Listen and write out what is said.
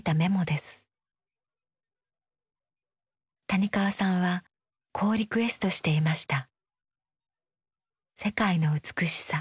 谷川さんはこうリクエストしていました。